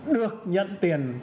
được nhận tiền